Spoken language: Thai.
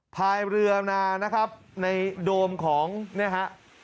พายเรือมานะครับในโดมของเนี่ยฮะ